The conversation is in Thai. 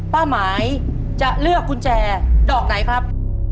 ป้าหมายจะเลือกกุญแจดอกไหนครับ